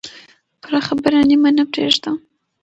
پوره خبره نیمه نه پرېږده.